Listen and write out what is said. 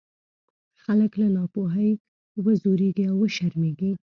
خلک له ناپوهۍ وځورېږي او وشرمېږي.